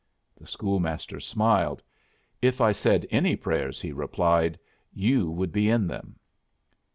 The school master smiled. "If I said any prayers," he replied, "you would be in them."